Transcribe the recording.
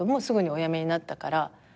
すぐにお辞めになったから。